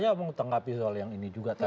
ya mau tanggapi soal yang ini juga tadi